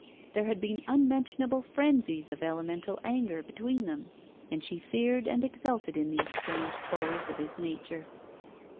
There had been unmentionable frenzies of elemental anger between them and she feared and exulted in these strange poles of his nature.